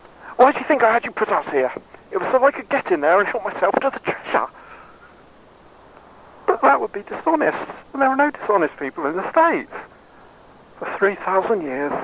"Why do you think I had you put out here? It was so I could get in there and help myself to the Treasure." "But that would be dishonest. And there are no dishonest people in the State." "For three thousand years.